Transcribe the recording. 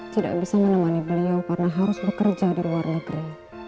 tidak bisa menemani beliau karena harus bekerja di luar negeri